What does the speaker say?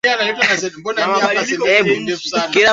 Hasa hasa wamasai wa jamii ya Wakushi wa Afrika Mashariki